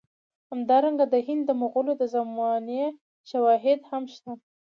همدارنګه د هند د مغولو د زمانې شواهد هم شته.